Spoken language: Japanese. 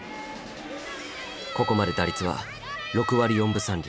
ここまで打率は６割４分３厘。